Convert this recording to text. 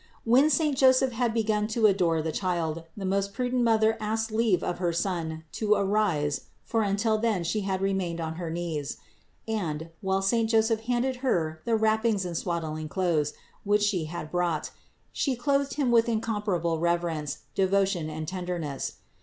When saint Joseph had begun to adore the Child, the most prudent Mother asked leave of her Son to arise (for until then She had remained on her knees) and, while saint Joseph handed Her the wrappings and swaddling clothes, which She had brought, She clothed Him with incomparable reverence, devotion and tenderness.